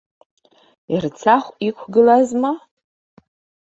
Ерцахә иқәгылазма?